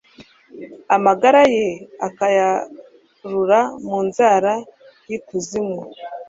amagara ye akayarura mu nzara z'ikuzimu